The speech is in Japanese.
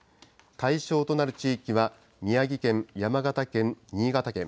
対象となる地域は宮城県、山形県、新潟県。